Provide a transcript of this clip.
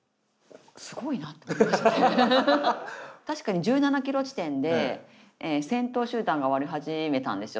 確かに１７ｋｍ地点で先頭集団が割れ始めたんですよ。